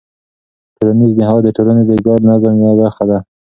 ټولنیز نهاد د ټولنې د ګډ نظم یوه برخه ده.